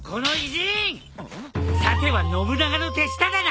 さては信長の手下だな！